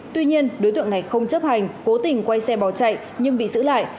tuy nhiên đối tượng này không chấp hành cố tình quay xe bỏ chạy nhưng bị giữ lại